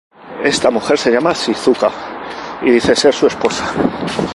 Esta mujer se llama Shizuka y dice ser su esposa.